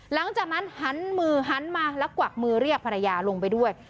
หลังจากนั้นหันมือหันมาแล้วกวักมือเรียกภรรยาลงไปด้วย